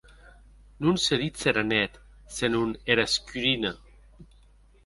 Non se ditz era net, senon era escurina.